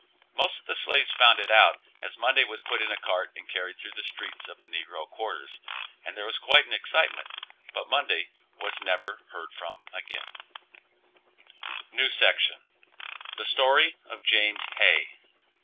Most of the slaves found it out, as Monday was put in a cart and carried through the streets of the negro quarters, and there was quite an excitement, but Monday was never heard from again. THE STORY OF JAMES HAY.